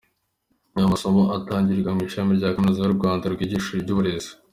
Ayo masomo atangirwa mu Ishami rya Kaminuza y’u Rwanda ryigisha iby’uburezi.